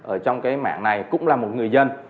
ở trong mạng này cũng là một người dân